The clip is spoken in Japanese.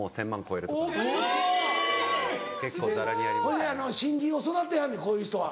ほいで新人を育てはんねんこういう人は。